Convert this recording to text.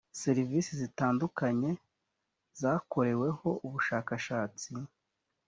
serivisi zitandukanye zakoreweho ubushakashatsi.